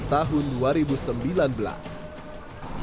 pada bulan september tahun dua ribu sembilan belas